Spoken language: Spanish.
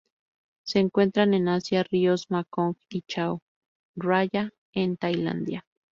Se encuentran en Asia: ríos Mekong y Chao Phraya en Tailandia-